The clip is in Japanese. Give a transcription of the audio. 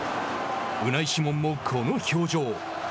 ウナイ・シモンもこの表情。